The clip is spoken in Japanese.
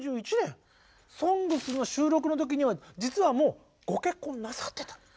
「ＳＯＮＧＳ」の収録の時には実はもうご結婚なさってた。